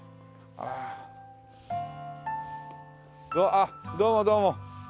あっどうもどうも。